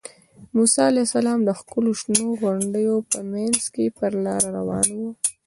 موسی علیه السلام د ښکلو شنو غونډیو په منځ کې پر لاره روان و.